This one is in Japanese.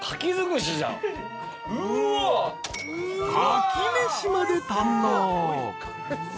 ［かき飯まで堪能］